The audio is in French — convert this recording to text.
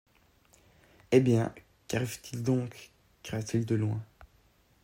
Eh bien! qu’arrive-t-il donc? cria-t-il de loin.